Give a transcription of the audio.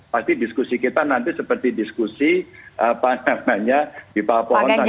pasti diskusi kita nanti seperti diskusi di papua